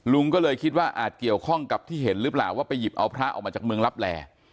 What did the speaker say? ลุงก็เลยคิดว่าอาจเกี่ยวข้องกับที่เห็นหรือเปล่าไปหยิบพระจากเมืองรับแรง